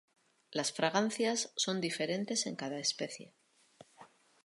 Las fragancias son diferentes en cada especie.